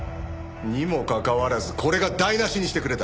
にもかかわらずこれが台無しにしてくれた。